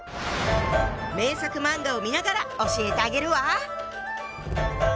名作漫画を見ながら教えてあげるわ！